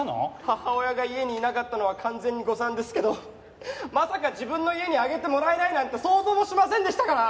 母親が家にいなかったのは完全に誤算ですけどまさか自分の家に上げてもらえないなんて想像もしませんでしたから！